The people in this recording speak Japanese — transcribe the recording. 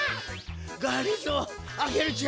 がりぞーアゲルちゃん。